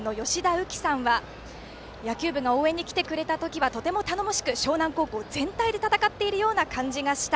うきさんは野球部が応援に来てくれた時はとても頼もしく淞南高校全体で戦っているような感じがした。